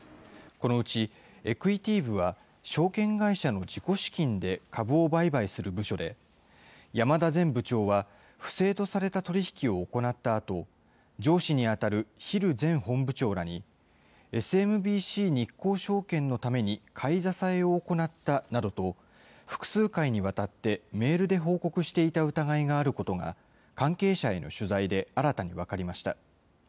このうちエクイティ部は証券会社の自己資金で株を売買する部署で、山田前部長は不正とされた取り引きを行ったあと、上司に当たるヒル前本部長らに、ＳＭＢＣ日興証券のために買い支えを行ったなどと、複数回にわたってメールで報告していた疑いがあることが、関係者への取材で新たに分かりました。